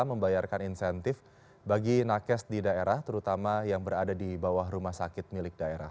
membayarkan insentif bagi nakes di daerah terutama yang berada di bawah rumah sakit milik daerah